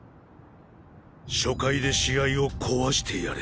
初回で試合を壊してやれ。